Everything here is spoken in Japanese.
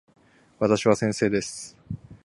私は先生です。